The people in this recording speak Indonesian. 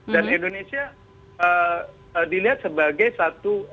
dan indonesia dilihat sebagai satu